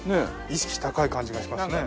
意識高い感じがしますね。